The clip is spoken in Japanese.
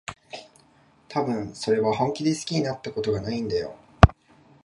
たぶん、それは本気で好きになったことがないんだよ。